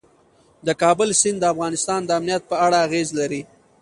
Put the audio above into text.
د کابل سیند د افغانستان د امنیت په اړه اغېز لري.